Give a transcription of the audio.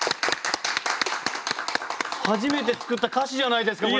初めて作った歌詞じゃないですかこれ！